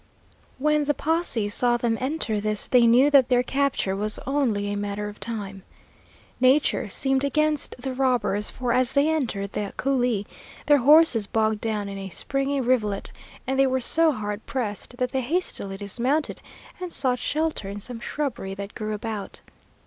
When the posse saw them enter this they knew that their capture was only a matter of time. Nature seemed against the robbers, for as they entered the coulee their horses bogged down in a springy rivulet, and they were so hard pressed that they hastily dismounted, and sought shelter in some shrubbery that grew about.